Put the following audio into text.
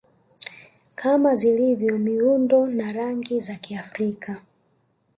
kama zilivyo miundo na rangi za Kiafrika